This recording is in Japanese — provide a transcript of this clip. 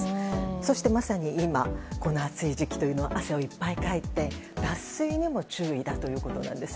そしてまさに今、この暑い時期は汗をいっぱいかいて脱水にも注意だということです。